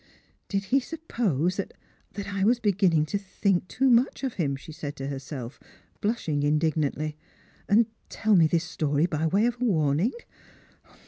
" Did he suppose that — that I was beginning to think too much of him," she said to herself, blushing indignantly, "and tell me this story by way of a warning